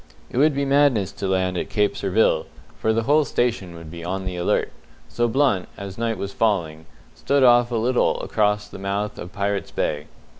It would be madness to land at Cape Surville, for the whole station would be on the alert; so Blunt, as night was falling, stood off a little across the mouth of Pirates' Bay.